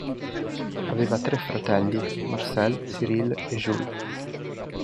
Aveva tre fratelli: Marcel, Cyrille e Jules.